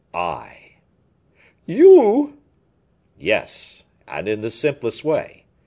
"I." "You?" "Yes, and in the simplest way.